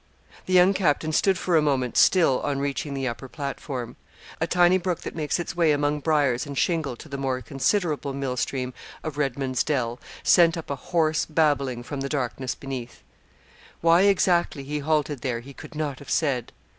The young captain stood for a moment still on reaching the upper platform. A tiny brook that makes its way among briars and shingle to the more considerable mill stream of Redman's Dell, sent up a hoarse babbling from the darkness beneath. Why exactly he halted there he could not have said.